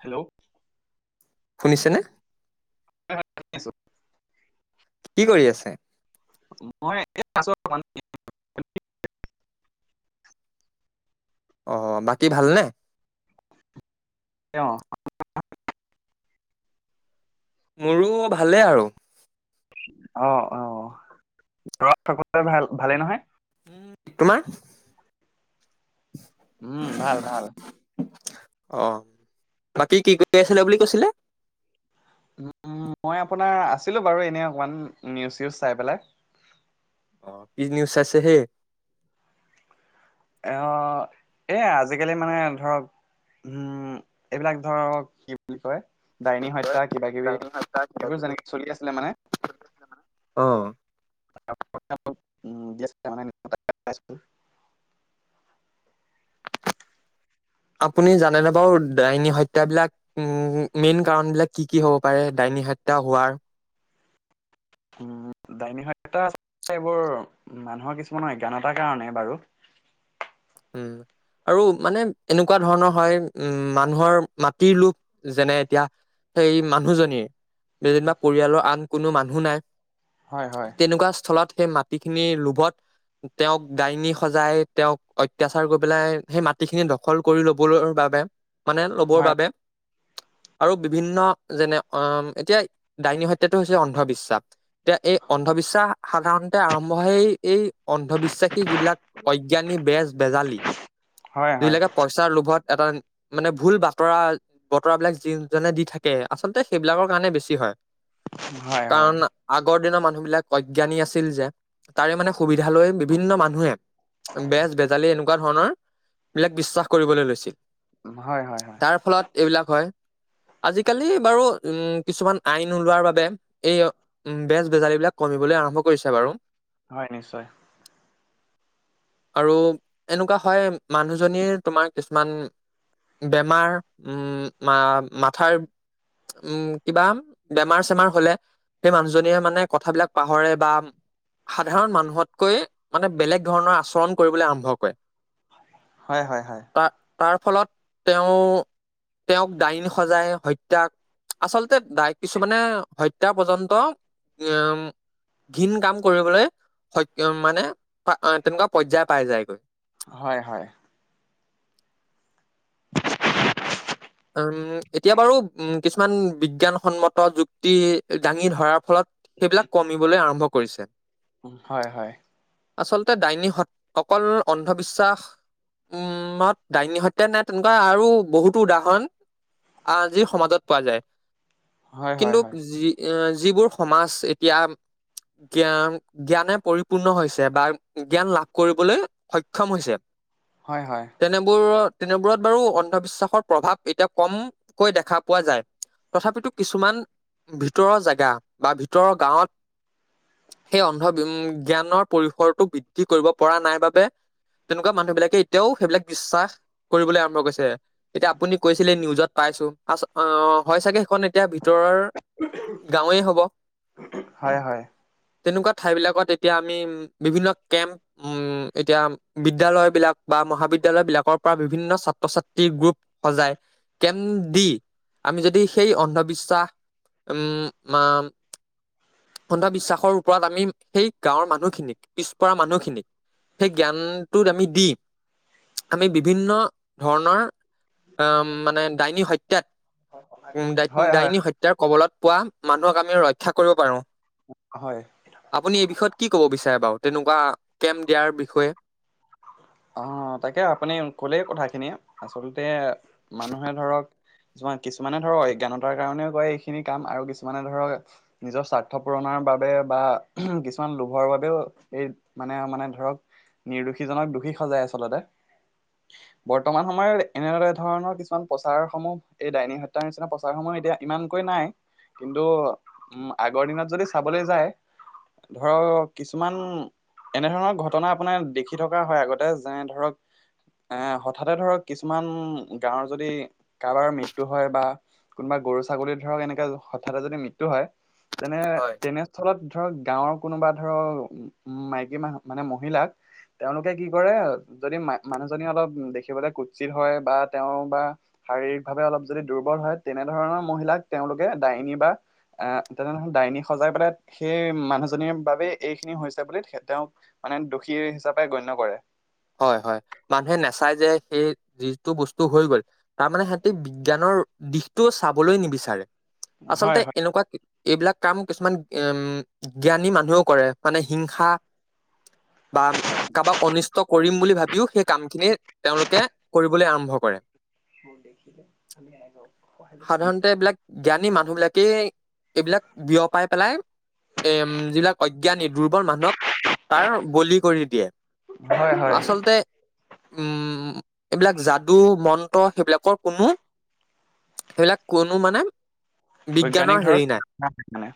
Hello শুনিছেনে শুনিছো কি কৰি আছে মই আছো অ বাকী ভালনে অ মোৰো ভালেই আৰু অ অ ঘৰত সকলোৱে ভাল ভালেই নহয় তোমাৰ উম ভাল ভাল অ বাকী কি কৰি আছিলে বুলি কৈছিলে মই আপোনাৰ আছিলো বাৰু এনে অকমান নিউজ চউজ চাই পেলাই অ কি নিউজ আছে হেই আহ এ আজিকালি মানে ধৰক উম এইবিলাক ধৰক কি বুলি কয় ডাইনী হত্যা কিবা কিবি, এইবোৰ যেনেকে চলি আছিলে মানে অ'। [inaudible] আপুনি জানেনে বাৰু ডাইনী হত্যা বিলাক উম মেইন কাৰণ বিলাক কি কি হ'ব পাৰে ডাইনী নিহত্যা হোৱাৰ উম দাইনী সত্যা এইবোৰ মানুহৰ কিছুমান অজ্ঞানতাৰ কাৰণে বাৰু উম। আৰু মানে এনেকুৱা ধৰণৰ হয় উম মানুহৰ মাটিৰ লোভ যেনে এতিয়া সেই মানুহজনীৰ যেনিবা পৰিয়ালৰ আন কোনো মানুহ নাই, হয় হয় তেনেকুৱা স্থলত সেই মাটিখিনিৰ লোভত তেওঁক ডাইনী সজাই তেওঁক অত্যাচাৰ কৰি পেলাই সেই মাটিখিনি দখল কৰি ল'বলৈ বাবে মানে ল'বৰ হয় বাবে। আৰু বিভিন্ন যেনে আহ এতিয়া ডাইনী হত্যাটো হৈছে অন্ধবিশ্বাস। এতিয়া এই অন্ধবিশ্বাস সাধাৰণতে আৰম্ভ হয় এই অন্ধবিশ্বাসী যিবিলাক অজ্ঞানী বেজ বেজালী হয় হয় যিবিলাকে পইচা লভ এটা মানে ভুল বাতৰা বতৰা বিলাক যিজনে দি থাকে আচলতে সেইবিলাকৰ কাৰণে বেছি হয়। হয় হয় কাৰণ আগৰ দিনৰ মানুহ বিলাক অজ্ঞানী আছিল যে তাৰে মানে সুবিধা লৈ বিভিন্ন মানুহে বেজ বে তেনেকুৱা ধৰণৰ বিলাক বিশ্বাস কৰিবলৈ লৈছিল হয় হয় হয় তাৰ ফলত এইবিলাক হয় [unintelligible] আজিকালি বাৰু উম কিছুমান আইন ওলোৱাৰ বাবে এই বেজ বেজাৰী বিলাক কমিবলৈ আৰম্ভ কৰিছে বাৰু। হয় নিশ্চয় আৰু এনেকুৱা হয় মানুহজনীৰ তোমাৰ কিছুমান বেমাৰ উম, মা-মাথাৰ। উম কিবা বেমাৰ চেমাৰ হলে সেই মানুহজনীয়ে মানে কথাবিলাক পাহৰে বা সাধাৰণ মানুহতকৈ মানে বেলেগ ধৰণৰ আচৰণ কৰিবলৈ আৰম্ভ কৰে হয় হয় হয় তাৰ তাৰ ফলত তেওঁ তেওঁক দাইনী সজাই হত্যা আচলতেই কিছুমানে হত্যা পৰ্যন্ত উম ঘীণ কাম কৰিবলৈ সক্ষম মানে তেনেকুৱা পৰ্যায় পাই যায়গৈ হয়, হয়। উম' এতিয়া বাৰু উম, কিছুমান বিজ্ঞানসন্মত যুক্তি দাঙি ধৰাৰ ফলত। সেইবিলাক কমিবলৈ আৰম্ভ কৰিছে। হয়, হয়। আচলতে, ডাইনী অকল অন্ধবিশ্বাস উমত ডাইনী হতে নে তেনেকুৱা আৰু বহুতো উদাহৰণ। আজি সমাজত পোৱা যায়। হয় হয় হয় কিন্তু যি এ যিবোৰ সমাজ এতিয়া জ্ঞান, জ্ঞানে পৰিপূৰ্ণ হৈছে বা জ্ঞান লাভ কৰিবলৈ সক্ষম হৈছে। হয় হয় তেনেবোৰ তেনেবোৰত বাৰু অন্ধবিশ্বাসৰ প্ৰভাৱ এতিয়া কমকৈ, দেখা পোৱা যায়। তথাপিতো কিছুমান ভিতৰৰ জেগা বা ভিতৰৰ গাঁৱত সেই অন্ধ জ্ঞানৰ পৰিসৰটো বৃদ্ধি কৰিব পৰা নাই বাবে। তেনেকুৱা মানুহ বিলাকে এতিয়াও সেইবিলাক বিশ্বাস, কৰিবলৈ আৰম্ভ কৰিছে। এতিয়া আপুনি কৈছিলে নিউজত পাইছো অহ, অহ, হয় চাগে। এখন এতিয়া ভিতৰৰ গাঁৱেই হ'ব। হয় হয় তেনেকুৱা ঠাই বিলাকত এতিয়া আমি বিভিন্ন কেম্প উম, এতিয়া বিদ্যালয় বিলাক বা। বা মহাবিদ্যালয় বিলাকৰ পৰা বিভিন্ন ছাত্ৰ-ছাত্ৰীৰ গ্ৰুপ। সজাই, কেম দি আমি যদি সেই অন্ধবিশ্বাস উম' মা অন্ধবিশ্বাসৰ ওপৰত আমি, সেই গাঁৱৰ মানুহখিনিক, পিছপৰা মানুহখিনিক। সেই জ্ঞানটোত আমি দি, আমি বিভিন্ন ধৰণৰ। অ মানে ডাইনী হত্যাত উম, ডাইনী হয় হয় ডাইনী হত্যাৰ কবলত পোৱা মানুহক আমি ৰক্ষা কৰিব পাৰো। হয় আপুনি এই বিষয়ত কি ক'ব বিচাৰে বাৰু। তেনেকুৱা কেম্প দিয়াৰ বিষয়ে। অ' তাকে আপুনি কলেই কথাখিনি আচলতে মানুহে ধৰক কিছুমান কিছুমানে ধৰক অজ্ঞানতাৰ কাৰণেও কৰে এইখিনি কাম আৰু কিছুমানে ধৰক নিজৰ স্বাৰ্থ পূৰণ মাৰ বাবে বা উম, কিছুমান লোভৰ বাবেও এই মানে, মানে ধৰক। নিৰ্দোষীজনক দোষী সজাই আচলতে। বৰ্তমান সময়ত এনে ধৰণৰ কিছুমান প্ৰচাৰ সমূহ এই দাইনী হত্যাৰ নিচিনা প্ৰচাৰসমূহ এতিয়া ইমানকৈ নাই, কিন্তু উম, আগৰ দিনত যদি চাবলৈ যায়। ধৰক কিছুমান এনে ধৰণৰ ঘটনা আপোনাৰ দেখি থকা হয় আগতে এ, যায় ধৰক। এ, হঠাতে ধৰক কিছুমান, গাঁৱৰ যদি কাৰোবাৰ মৃত্যু হয় বা। কোনোবা গৰু-ছাগলী ধৰক এনেকা হঠাতে যদি মৃত্যু হয় তেনে, হয় তেনেস্থলত। ধৰক গাঁৱৰ কোনোবা ধৰক, উম' মাইকী মাহ, মানে মহিলাক তেওঁলোকে কি কৰে আৰু যদি মানুহজনী অলপ দেখিবলৈ কুচিত হয়, বা তেওঁ বা শাৰীৰিক ভাৱে অলপ। অলপ যদি দুৰ্বল হয়, তেনেধৰণৰ মহিলাক তেওঁলোকে ডাইনী বা আ তেনেধৰনে ডাইনী সজাই পেলাই সেই মানুহজনীৰ বাবেই এইখিনি হৈছে বুলি তেওঁক মানে দোষী হিচাপে গণ্য কৰে। হয়, হয়। মানুহে নাচাই যে, সেই যিটো বস্তু হৈ গ'ল। তাৰমানে সিহঁতে বিজ্ঞানৰ, দিশটো চাবলৈ নিবিচাৰে, আচলতে হয় হয় এনেকুৱা। এইবিলাক কাম কিছুমান উম, জ্ঞানী মানুহেও কৰে মানে হিংসা। বা কাৰোবাক অনিষ্ট কৰিম বুলি ভাবিও, সেই কামখিনি তেওঁলোকে কৰিবলৈ আৰম্ভ কৰে। মোক দেখিলে আমি আইগক সহায় ল সাধাৰণতে এইবিলাক জ্ঞানী মানুহবিলাকে এইবিলাক বিয়পাই পেলাই এ যিবিলাক অজ্ঞানী দুৰ্বল মানুহক তাৰ বলি কৰি দিয়ে। হয়, হয়। আচলতে উম' এইবিলাক যাদু মন্ত্ৰ সেইবিলাকৰ কোনো সেইবিলাক কোনো মানে বৈজ্ঞানিক বিজ্ঞানৰ ধৰক হেৰি নাইে। মানে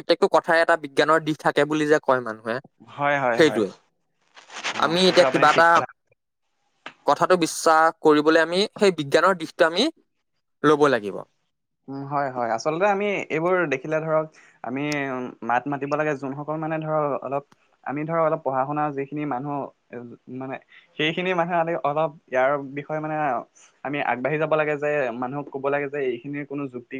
এটা বিজ্ঞানৰ দিশ থাকে বুলি যে কয় মানুহ। হয়, হয়, হয়। অ আমি সেইটো এতিয়া আপুনি কিবা ঠিক এটা কথা কথাটো বিশ্বাস কৰিবলৈ আমি সেই বিজ্ঞানৰ দিশটো আমি লব লাগিব উম হয়, হয়, আচলতে আমি এইবোৰ দেখিলে ধৰক আমি উম মাত মাতিব লাগে যোনসকল মানে ধৰক অলপ আমি ধৰক অলপ পঢ়া শুনা যিখিনি মানুহ মানে সেইখিনি মানুহে আজি অলপ ইয়াৰ বিষয়ে মানে আমি আগবাঢ়ি যাব লাগে যে মানুহক ক'ব লাগে যে এইখিনিৰ কোনো যুক্তি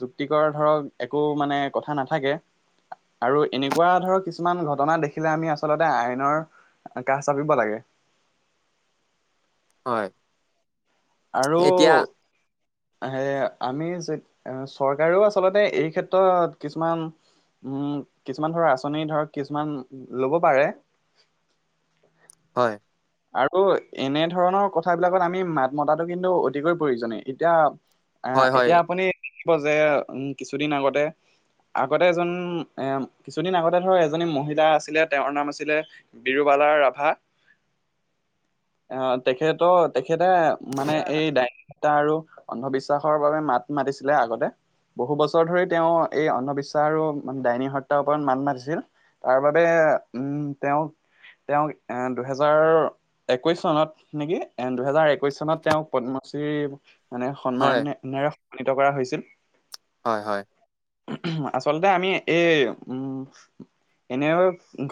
যুক্তিকৰ ধৰক একো মানে কথা নাথাকে। আৰু এনেকুৱা ধৰক কিছুমান ঘটনা দেখিলে আমি আচলতে আইনৰ। কাষ চাপিব লাগে। [inaudible] হয়। আৰু এতিয়া সেয়ে আমি চৰকাৰেও আচলতে এই ক্ষেত্ৰত কিছুমান উম, কিছুমান ধৰক আঁচনি ধৰক কিছুমান লব পাৰে। হয়। আৰু এনে ধৰণৰ কথাবিলাকত আমি মাত মতাটো কিন্তু অতিকৈ প্ৰয়োজনীয় এতিয়া। আ' হয় হয় এতিয়া আপুনি কব যে উম কিছুদিন আগতে আগতে এজন এ কিছুদিন আগতে ধৰ এজনী মহিলা আছিলে। তেওঁৰ নাম আছিলে বিৰুবা। পালা ৰাভা [inaudible] আ'তেখেতৰ তেখেতে মানে এই ডা তাৰ আৰু অন্ধবিশ্বাসৰ বাবে মাত মাতিছিলে আগতে। বহু বছৰ ধৰি তেওঁ এই অন্ধবিশ্বাস আৰু ডাইনী হত্যাৰ ওপৰত মাত মাতিছিল। তাৰ বাবে উম তেওঁক তেওঁক এ দুহেজাৰ একৈশ চনত নেকি এ দুহেজাৰ একৈশ চনত তেওঁ পদ্মশ্ৰী মানে হয় সন্মানেৰে সন্মানিত কৰা হৈছিল। হয় হয় আচলতে আমি এই উম এনে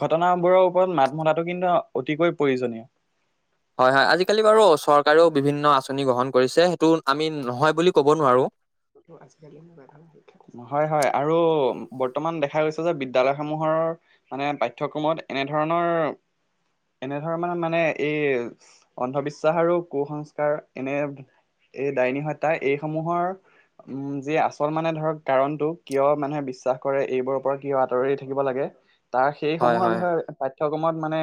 ঘটনাবোৰৰ ওপৰত মাত মতাটো কিন্তু অতিকৈ প্ৰয়োজনীয়। হয় হয়, আজিকালি বাৰু চৰকাৰেও বিভিন্ন আঁচনি গ্ৰহণ কৰিছে সেইটো আমি নহয় বুলি ক'ব নোৱাৰোঁ। হয় হয় আৰু বৰ্তমান দেখা গৈছে যে বিদ্য়ালয়সমূহৰ মানে পাঠ্যক্ৰমত এনেধৰণৰ। এনেধৰণৰ মানে এই অন্ধবিশ্বাস আৰু কুসংস্কাৰ এনে এই ডাইনী হত্যা এইসমূহৰ উম যি আচল। তাৰ হয় সেইসমূহৰ হয় বিষয়ে পাঠ্যক্ৰমত মানে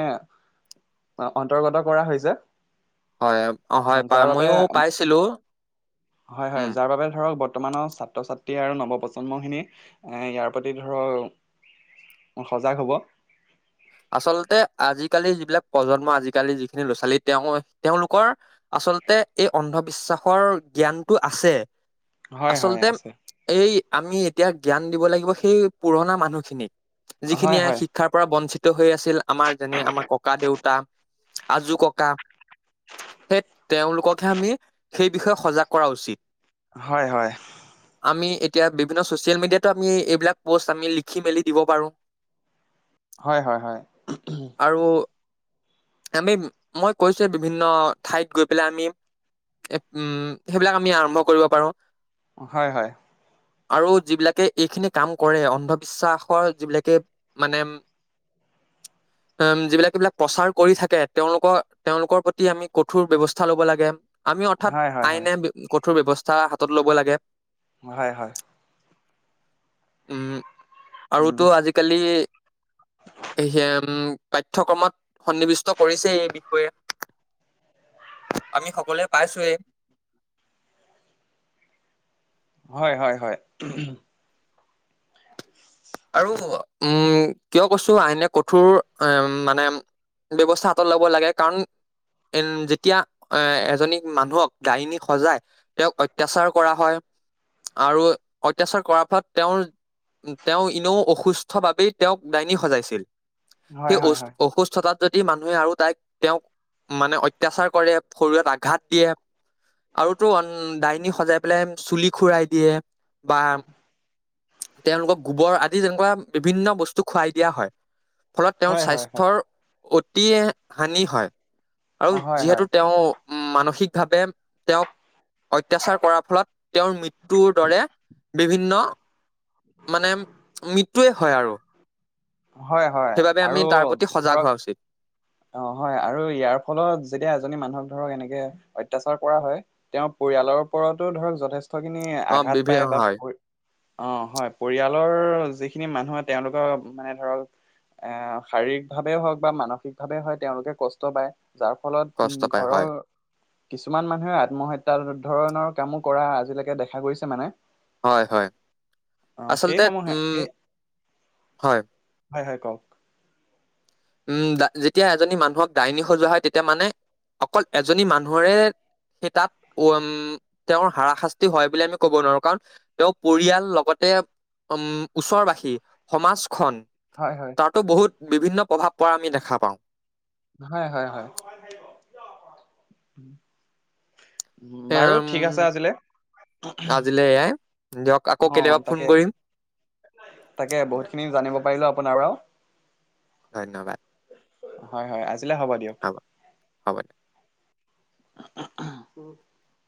অন্তৰ্গত কৰা হৈছে। হয় অ হয় পা যাৰ বাবে ময়ো পাইছিলো হয় উম হয় যাৰ বাবে ধৰক বৰ্তমানৰ ছাত্ৰ ছাত্ৰী আৰু নৱপ্ৰজন্মখিনি এ ইয়াৰ প্ৰতি ধৰক ম সজাগ হ'ব। আচলতে আজিকালি যিবিলাক প্ৰজন্ম আজিকালি যিখিনি ল'ৰা ছোৱালী তেওঁ তেওঁলোকৰ আচল। আচলতে এই অন্ধবিশ্বাসৰ জ্ঞানটো আছে। হয় হয় আচলতে আছে এই আমি এতিয়া জ্ঞান দিব লাগিব সেই পুৰণা মানুহখিনিক। যিখিনি হয় হয় শিক্ষাৰ পৰা বঞ্চিত হৈ আছিল আমাৰ যেনে আমাৰ ককা দেউতা, আজো ককা। সেই তেওঁলোককহে আমি সেই বিষয়ে সজাগ কৰা উচিত। হয়, হয়। আমি এতিয়া বিভিন্ন চচিয়েল মিডিয়াতো আমি এইবিলাক পষ্ট আমি লিখি মেলি দিব পাৰো। [unintelligible] হয় হয় হয় আৰু আমি মই কৈছো বিভিন্ন ঠাইত গৈ পেলাই আমি উম সেইবিলাক আমি আৰম্ভ কৰিব পাৰো হয় হয় আৰু যিবিলাকে এইখিনি কাম কৰে অন্ধবিশ্বাসৰ যিবিলাকে মানে [unintelligible] উম যিবিলাকবিলাক প্ৰচাৰ কৰি থাকে তেওঁলোকৰ তেওঁলোকৰ প্ৰতি আমি কঠোৰ ব্যৱস্থা লব লাগে আমি অৰ্থাৎ হয় হয় আইনে কঠোৰ ব্যৱস্থা হাতত ল'ব লাগে হয় হয় উম উম আৰুতো আজিকালি য়া উম পাঠ্যক্ৰমত সন্নিৱিষ্ট কৰিছে এই বিষয়ে আমি সকলোৱে পাইছোৱেই হয় হয় হয় আৰু উম কিয় কৈছো আইনে কঠোৰ উ মানে ব্যৱস্থা হাতত ল'ব লাগে কাৰণ এ যেতিয়া এ এজনী মানুহক দাইনী সজাই তেওঁক অত্যাচাৰ কৰা হয় আৰু অত্যাচাৰ কৰাৰ ফলত তেওঁৰ তেওঁ ইনে অসুস্থ বাবেই তেওঁক ডাইনী সজাইছিল হয় সেই অ হয় হয় অসুস্থতাত যদি মানুহে আৰু তাইক তেওঁক মানে অত্যাচাৰ কৰে শৰীৰত আঘাত দিয়ে আৰুতো দাইন সজাই পেলাই চুলি খুৰাই দিয়ে বা তেওঁলোকক গোবৰ আদি তেনেকুৱা বিভিন্ন বস্তু খুৱাই দিয়া হয় ফলত তেওঁৰ হয় হয় হয় স্বাস্থ্যৰ অতি হানি হয়। আৰু অ হয় যিহেতু হয় তেওঁ উম মানসিকভাৱে তেওঁক অত্যাচাৰ কৰাৰ ফলত তেওঁৰ মৃত্যুৰ দৰে বিভিন্ন মানে মৃত্যুৱে হয় আৰু হয়, হয়, সেইবাবে আমি আৰু তাৰ প্ৰতি সজাগ হোৱা ধৰক উচিত অ, হয় আৰু ইয়াৰ ফলত যেতিয়া এজনী মানুহক ধৰক এনেকে অত্যাচাৰ কৰা হয় তেওঁৰ পৰিয়াল খালৰ ওপৰতো ধৰক যথেষ্টখিনি অ আঘাত বিভি পায় বা হয় অ হয় পৰিয়ালৰ যিখিনি মানুহে তেওঁলোকৰ মানে ধৰক এ শাৰীৰিক ভাৱে হওঁক বা মানসিকভাৱে হওক তেওঁলোকে কষ্ট পায়। যাৰ ফলত কষ্ট উম পায় ঘৰৰ হয় কিছুমান মানুহে আত্মহত্যা ধৰণৰ কামো কৰা আজিলৈকে দেখা গৈছে মানে হয়, হয়, অ আচলতে সেইসমূহে উম হয়। হাই হাই কক উম যেতিয়া এজনী মানুহক ডাইনী সজোৱা হয় তেতিয়া মানে অকল এজনী মানুহৰে সেই তাত উম তেওঁৰ হাৰাশাস্তি হয় বুলি আমি কব নোৱাৰো কাৰণ তেওঁ পৰিয়াল লগতে উম ওচৰবাসী সমাজ খন হয় হয় তাতো বহুত বিভিন্ন প্ৰভাৱ প আমি দেখা পাওঁ হয় হয় বাৰু ঠিক এম আছে আজিলৈ আজিলৈ এয়াই দিয়ক আকৌ অ কেতিয়াবা ফোন তাকে কৰিম তাকে বহুত খিনি জানিব পাৰিলো আপোনাৰাৰ ধন্যবাদ হয় হয় আজিলে হ'ব দিয়ক হ'ব আহ